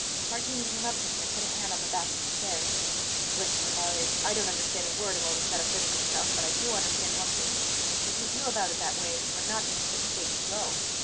Martini came up to him and put a hand on the back of his chair. "Listen, Rivarez; I don't understand a word of all this metaphysical stuff, but I do understand one thing: If you feel about it that way, you are not in a fit state to go.